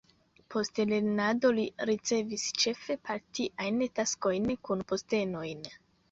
Post lernado li ricevis ĉefe partiajn taskojn kun postenojn.